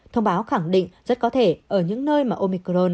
thông báo khẳng định rất có thể ở những nơi mà omicron